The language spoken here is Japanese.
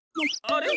あれ？